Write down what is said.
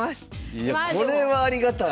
いやこれはありがたい！